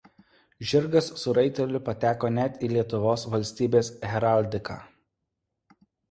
Žirgas su raiteliu pateko net į Lietuvos valstybės heraldiką.